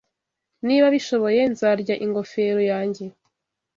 Niba abishoboye, nzarya ingofero yanjye.